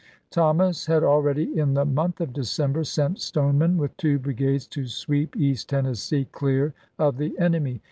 Thomas had already, in the month of December, sent Stone man with two brigades to sweep East Tennessee clear of the enemy.